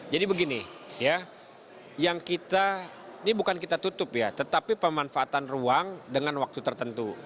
jadi begini ya yang kita ini bukan kita tutup ya tetapi pemanfaatan ruang dengan waktu tertentu